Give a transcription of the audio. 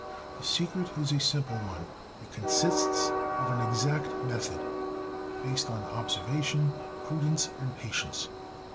The secret is a simple one: it consists of an exact method based on observation, prudence, and patience.